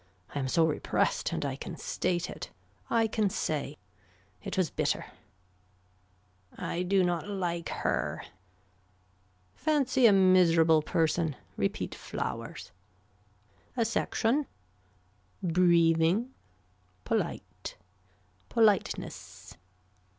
I am so repressed and I can state it. I can say. It was bitter. I do not like her. Fancy a miserable person. Repeat flowers. A section. Breathing. Polite. Politeness.